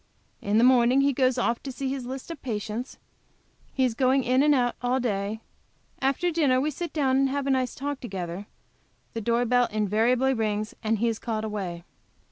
In the morning he goes off to see his list of patients; he is going in and out all day; after dinner we sit down to have a nice talk together; the door bell invariably rings, and he is called away.